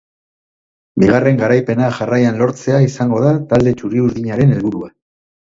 Bigarren garaipena jarraian lortzea izango da talde txuri-urdinaren helburua.